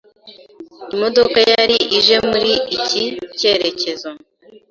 Imodoka yari ije muri iki cyerekezo.